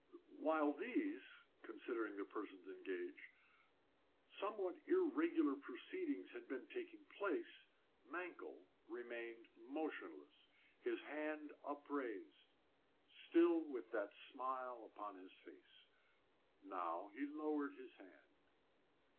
While these considering the persons engaged somewhat irregular proceedings had been taking place, Mankell remained motionless, his hand upraised still with that smile upon his face. Now he lowered his hand.